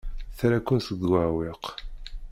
Terra-kent deg uɛewwiq.